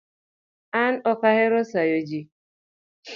An Ok ahero sayo jii